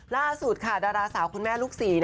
ล่าสุดค่ะดาราสาวคุณแม่ลูกศรี